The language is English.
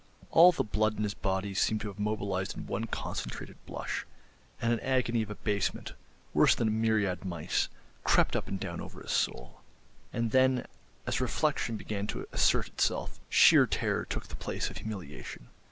All the blood in his body seemed to have mobilised in one concentrated blush, and an agony of abasement, worse than a myriad mice, crept up and down over his soul. And then, as reflection began to assert itself, sheer terror took the place of humiliation.